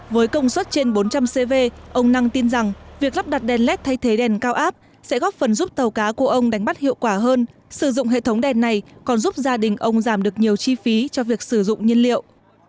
với công suất trên bốn trăm linh cv ông năng tin rằng việc lắp đặt đèn led thay thế đèn cao áp sẽ góp phần giúp tàu cá của ông đánh bắt hiệu quả hơn sử dụng hệ thống đèn này còn giúp gia đình ông giảm được nhiều chi phí cho việc sử dụng nhiên liệu